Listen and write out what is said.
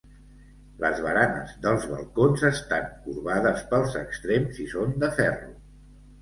Les baranes dels balcons estan corbades pels extrems i són de ferro.